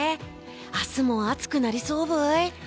明日も暑くなりそうブイ？